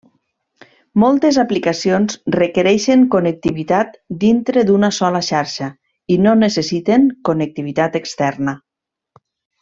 Moltes aplicacions requereixen connectivitat dintre d'una sola xarxa, i no necessiten connectivitat externa.